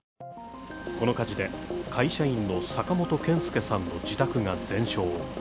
この火事で会社員の坂本憲介さんの自宅が全焼。